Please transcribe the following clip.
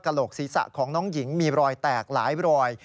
โหลกศีรษะของน้องหญิงมีรอยแตกหลายรอย